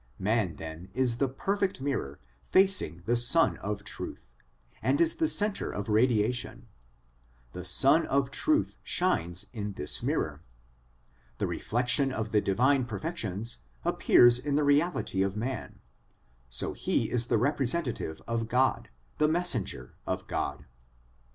Man then is the perfect mirror facing the Sun of Truth, and is the centre of 1 i.e. the spiritually dead. POWERS AND CONDITIONS OF MAN 229 radiation: the Sun of Truth shines in this mirror. The reflection of the divine perfections appears in the reality of man, so he is the representative of God, the messenger of God.